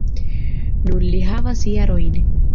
Nun li havas jarojn.